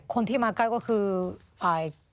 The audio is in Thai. คนที่มาใกล้ก็คือฝ่าย